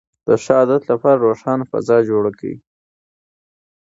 د ښه عادت لپاره روښانه فضا جوړه کړئ.